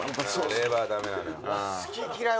レバーダメなのよ。